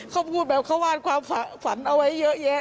เขาพูดแบบเขาวาดความฝันเอาไว้เยอะแยะ